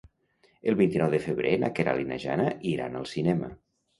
El vint-i-nou de febrer na Queralt i na Jana iran al cinema.